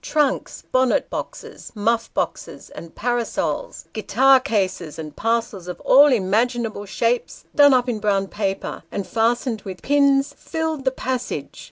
Trunks, bonnet boxes, muff boxes and parasols, guitar cases, and parcels of all imaginable shapes, done up in brown paper, and fastened with pins, filled the passage.